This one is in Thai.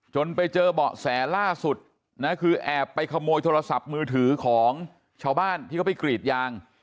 ไปเจอเบาะแสล่าสุดนะคือแอบไปขโมยโทรศัพท์มือถือของชาวบ้านที่เขาไปกรีดยาง